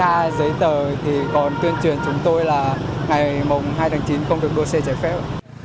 ra giấy tờ thì còn tuyên truyền chúng tôi là ngày mùng hai tháng chín không được đua xe chạy phép